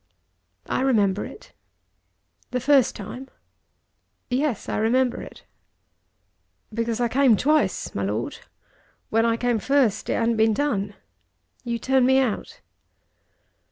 "I remember it." "The first time?" "Yes; I remember it." "Because I came twice, my Lord. When I came first it hadn't been done. You turned me out."